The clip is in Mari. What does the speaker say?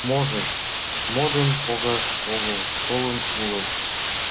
Можыч, модым погаш огыл толын улыт?..